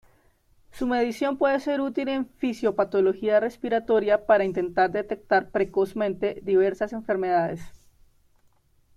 Su medición puede ser útil en fisiopatología respiratoria para intentar detectar precozmente diversas enfermedades.